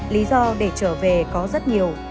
lý do để trở về có rất nhiều